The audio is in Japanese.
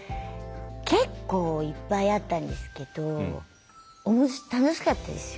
結構いっぱいあったんですけど楽しかったですよ。